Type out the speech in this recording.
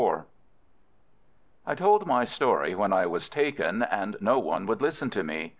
24 I told my story when I was taken, and no one would listen to me.